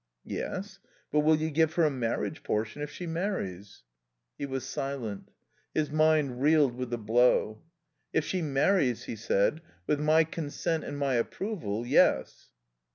"Yes. But will you give her a marriage portion if she marries?" He was silent. His mind reeled with the blow. "If she marries," he said, "with my consent and my approval yes."